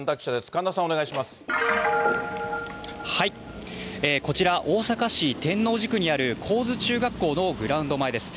神田さん、こちら、大阪市天王寺区にある高津中学校のグラウンド前です。